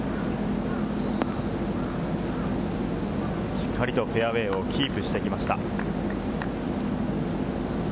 しっかりとフェアウエーをキープしてきました。